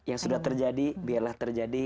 yang sudah terjadi biarlah terjadi